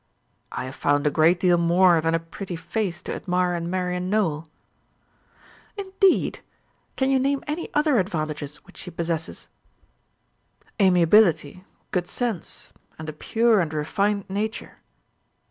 "I have found a great deal more than a pretty face to admire in Marian Nowell." "Indeed! Can you name any other advantages which she possesses?" "Amiability, good sense, and a pure and refined nature."